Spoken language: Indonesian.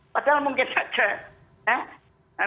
padahal mungkin saja ya